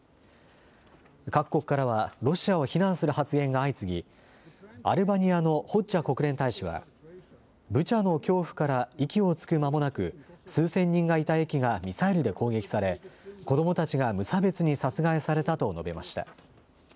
各国からはロシアを非難する発言が相次ぎ、アルバニアのホッジャ国連大使はブチャの恐怖から息をつく間もなく数千人がいた駅がミサイルで攻撃され子どもたちが無差別に殺害されたと述べました。